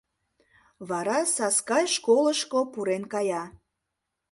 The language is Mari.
Вара Саскай школышко пурен кая.